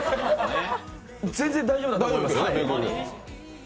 全然大丈夫だと思います。